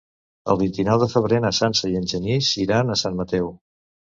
El vint-i-nou de febrer na Sança i en Genís iran a Sant Mateu.